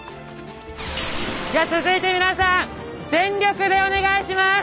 じゃあ続いて皆さん全力でお願いします！